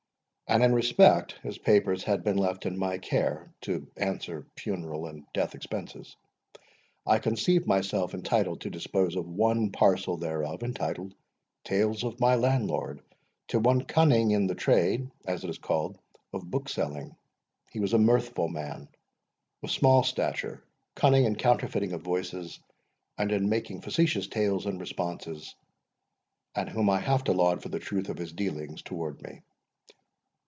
And in respect his papers had been left in my care (to answer funeral and death bed expenses), I conceived myself entitled to dispose of one parcel thereof, entitled, "Tales of my Landlord," to one cunning in the trade (as it is called) of bookselling. He was a mirthful man, of small stature, cunning in counterfeiting of voices, and in making facetious tales and responses, and whom I have to laud for the truth of his dealings towards me.